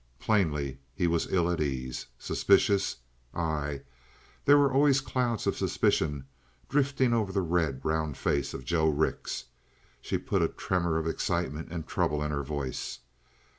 Plainly he was ill at ease. Suspicious? Ay, there were always clouds of suspicion drifting over the red, round face of Joe Rix. She put a tremor of excitement and trouble in her voice.